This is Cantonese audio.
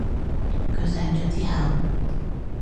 佢醒咗之後